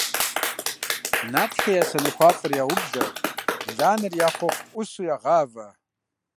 Нартхэ я сэнэхуафэр яублэ, бланэр я хъуэхъу Ӏусу ягъавэ.